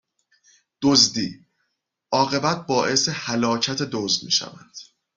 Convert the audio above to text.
دزدی، عاقبت باعث هلاکت دزد میشود